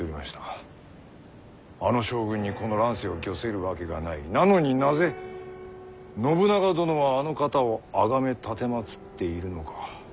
あの将軍にこの乱世を御せるわけがないなのになぜ信長殿はあの方を崇め奉っているのか。